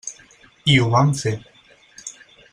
I ho vam fer.